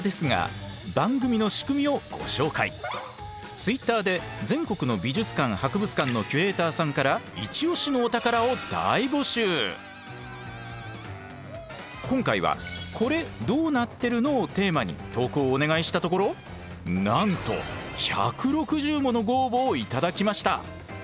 ツイッターで全国の美術館・博物館の今回は「コレどうなってるの」をテーマに投稿をお願いしたところなんと１６０ものご応募を頂きました。